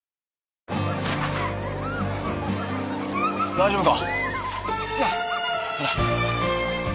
大丈夫か？